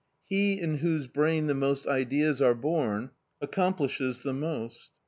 He in whose brain the most ideas are born accomplishes the most.